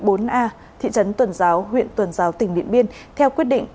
công an huyện tuần giáo huyện tuần giáo tỉnh điện biên theo quyết định